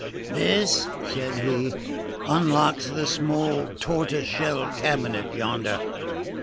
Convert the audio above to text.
"This," said he, "unlocks the small tortoise shell cabinet yonder.